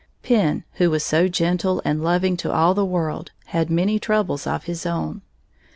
Penn, who was so gentle and loving to all the world, had many troubles of his own.